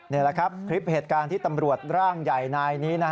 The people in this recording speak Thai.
นี่แหละครับคลิปเหตุการณ์ที่ตำรวจร่างใหญ่นายนี้นะ